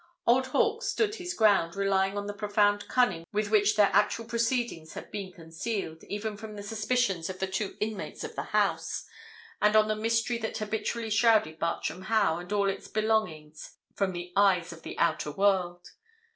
Old Hawkes stood his ground, relying on the profound cunning with which their actual proceedings had been concealed, even from the suspicions of the two inmates of the house, and on the mystery that habitually shrouded Bartram Haugh and all its belongings from the eyes of the outer world.